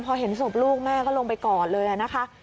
พอเห็นศพลูกแม่ก็ลงไปกอดเลยนะคะ